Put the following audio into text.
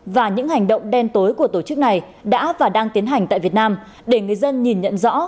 và những hành động đen tối của tổ chức này đã và đang tiến hành tại việt nam để người dân nhìn nhận rõ